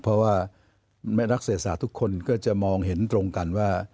เพราะว่าแม่นักศึกษาทุกคนก็จะมองเห็นตรงกันว่า